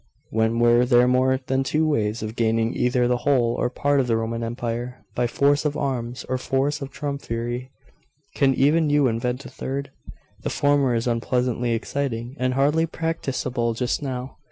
When were there more than two ways of gaining either the whole or part of the Roman Empire by force of arms or force of trumpery? Can even you invent a third? The former is unpleasantly exciting, and hardly practicable just now.